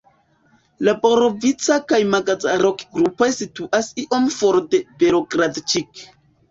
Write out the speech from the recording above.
La Borovica- kaj Magaza-rokgrupoj situas iom for de Belogradĉik.